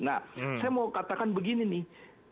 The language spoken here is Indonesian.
nah saya mau katakan begini nih